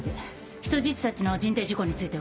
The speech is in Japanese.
人質たちの人定事項については？